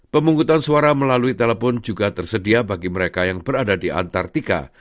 pemungkutan suara melalui telepon juga tersedia bagi mereka yang berada di antartika